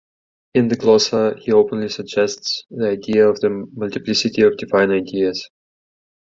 In the "Glossa", he openly suggests the idea of the multiplicity of divine ideas.